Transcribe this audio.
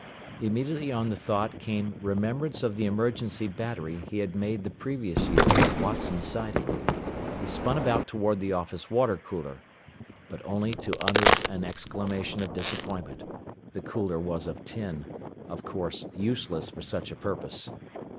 Immediately on the thought came remembrance of the emergency battery he had made the previous year at Watson Siding. He spun about toward the office water cooler. But only to utter an exclamation of disappointment. This cooler was of tin of course useless for such a purpose.